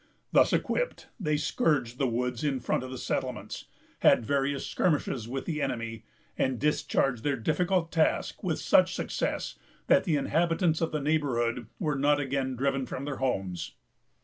Thus equipped, they scoured the woods in front of the settlements, had various skirmishes with the enemy, and discharged their difficult task with such success that the inhabitants of the neighborhood were not again driven from their homes.